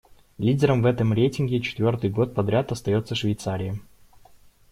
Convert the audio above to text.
Лидером в этом рейтинге четвёртый год подряд остаётся Швейцария.